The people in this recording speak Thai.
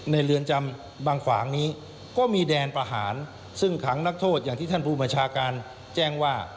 เรือนจำบางขวางนี้ก็มีแดนประหารซึ่งขังนักโทษอย่างที่ท่านผู้บัญชาการแจ้งว่า